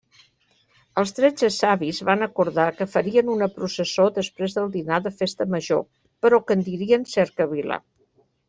Els tretze savis van acordar que farien una processó després del dinar de festa major, però que en dirien cercavila.